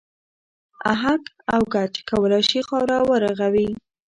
اهک او ګچ کولای شي خاوره و رغوي.